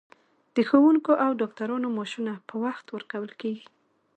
د ښوونکو او ډاکټرانو معاشونه په وخت ورکول کیږي.